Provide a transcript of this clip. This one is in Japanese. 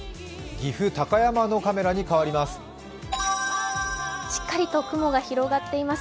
岐阜・高山のカメラにかわります。